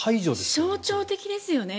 象徴的ですよね。